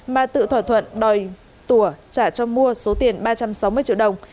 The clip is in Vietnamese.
mà tự thỏa thuận đòi trả cho mua số tiền ba trăm sáu mươi triệu đồng